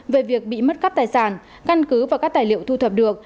về việc bị mất cắp tài sản căn cứ và các tài liệu thu thập được